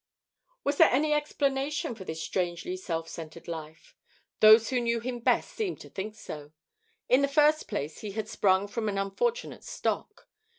Was there any explanation for this strangely self centred life? Those who knew him best seemed to think so. In the first place he had sprung from an unfortunate stock.